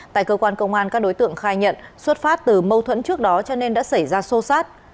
tại cơ quan công an các đối tượng khai nhận xuất phát từ mâu thuẫn trước đó cho nên đã xảy ra sô sát